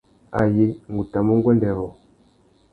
Ayé, ngu tà mu nguêndê râ wô.